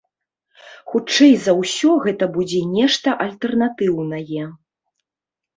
Хутчэй за ўсё, гэта будзе нешта альтэрнатыўнае.